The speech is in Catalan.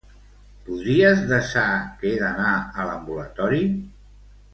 Podries desar que he d'anar a l'ambulatori?